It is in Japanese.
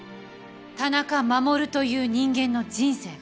田中守という人間の人生が